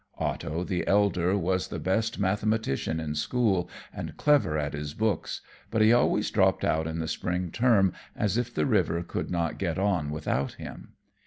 Otto, the elder, was the best mathematician in school, and clever at his books, but he always dropped out in the spring term as if the river could not get on without him.